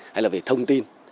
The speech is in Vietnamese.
hay là về thông tin